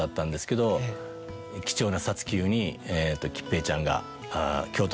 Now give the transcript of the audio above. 貴重な。